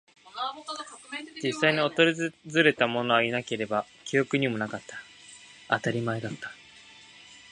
実際に訪れたものはいなければ、記憶にもなかった。当たり前だった。